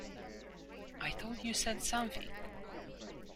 I thought you said something.